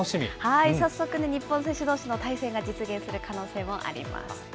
早速、日本選手どうしの対戦が実現する可能性もあります。